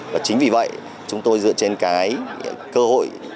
và chính vì vậy chúng tôi dựa trên cái cơ hội